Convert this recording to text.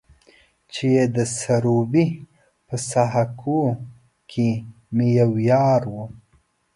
چې د سروبي په سهاکو کې مې يو يار و.